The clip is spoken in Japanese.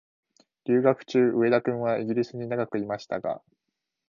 留学中、上田君はイギリスに長くいましたが、